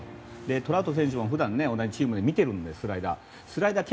トラウト選手も普段同じチームで見ているのでスライダーを。